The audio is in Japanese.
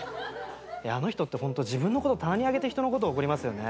あの人ってホント自分のこと棚に上げて人のこと怒りますよね。